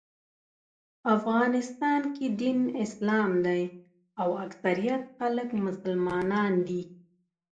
افغانستان کې دین اسلام دی او اکثریت خلک مسلمانان دي.